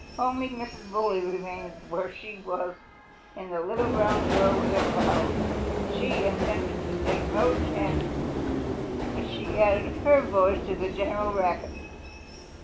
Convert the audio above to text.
Only Mrs. Bully remained where she was, in the little round doorway of her house. She intended to take no chances, but she added her voice to the general racket.